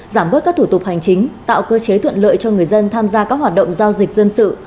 giảm bớt các thủ tục hành chính tạo cơ chế thuận lợi cho người dân tham gia các hoạt động giao dịch dân sự